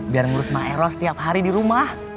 biar ngurus maeros tiap hari di rumah